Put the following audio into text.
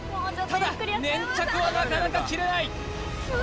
ただ粘着はなかなか切れない